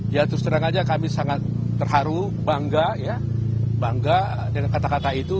ya terus terang aja kami sangat terharu bangga ya bangga dengan kata kata itu